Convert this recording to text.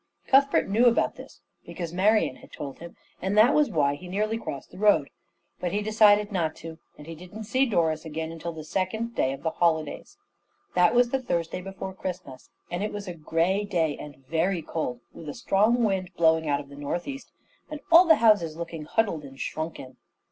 Cuthbert knew about this, because Marian had told him; and that was why he nearly crossed the road. But he decided not to, and he didn't see Doris again until the second day of the holidays. That was the Thursday before Christmas, and it was a grey day and very cold, with a strong wind blowing out of the north east, and all the houses looking huddled and shrunken.